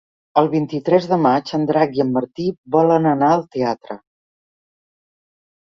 El vint-i-tres de maig en Drac i en Martí volen anar al teatre.